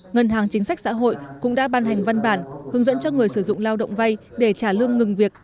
ngân hàng chính sách xã hội cũng đã ban hành văn bản hướng dẫn cho người sử dụng lao động vay để trả lương ngừng việc